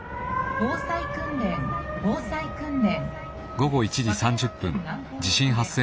防災訓練防災訓練」。